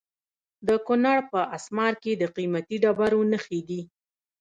د کونړ په اسمار کې د قیمتي ډبرو نښې دي.